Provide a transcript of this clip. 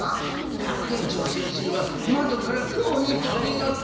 学園長先生はまどから雲にとび乗って。